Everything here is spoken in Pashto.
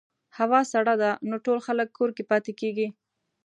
هوا سړه ده، نو ټول خلک کور کې پاتې کېږي.